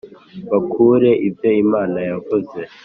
bakure ibyo imana yavuze